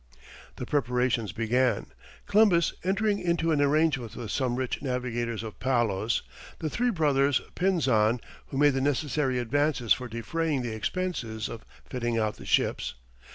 The preparations began, Columbus entering into an arrangement with some rich navigators of Palos, the three brothers Pinzon, who made the necessary advances for defraying the expenses of fitting out the ships.